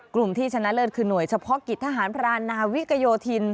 กลุ่มที่ชนะเลิศคือหน่วยเฉพาะกิจทหารพรานนาวิกโยธิน